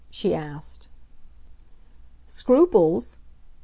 she asked. "Scruples?"